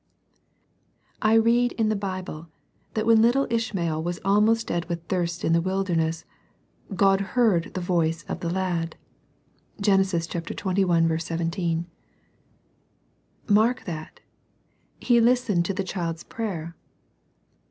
I read in the Bible, that when little Ishmael was almost dead with thirst in the wilderness, "God heard the voice of tl\^\^.d." ^^^,t3x. 12 SERMONS FOR CHILDREN. 17.) Mark that, He listened to the child's prayer.